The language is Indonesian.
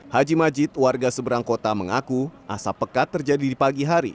haji majid warga seberang kota mengaku asap pekat terjadi di pagi hari